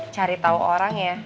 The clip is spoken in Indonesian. cari tau orang ya